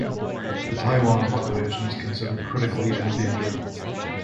The Taiwan population is considered critically endangered.